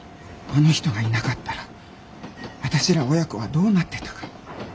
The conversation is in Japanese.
あの人がいなかったらあたしら親子はどうなってたか。